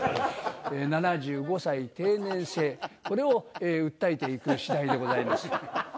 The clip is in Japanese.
７５歳定年制、これを訴えていくしだいでございます。